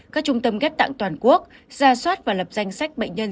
các trung tâm ghép tạng toàn quốc gia soát và lập danh sách bệnh nhân